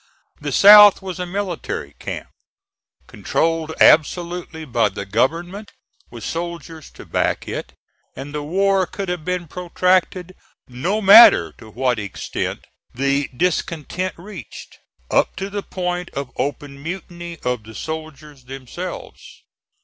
The South was a military camp, controlled absolutely by the government with soldiers to back it, and the war could have been protracted, no matter to what extent the discontent reached, up to the point of open mutiny of the soldiers themselves.